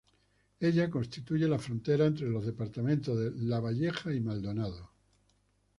Ella constituye la frontera entre los departamentos de Lavalleja y Maldonado.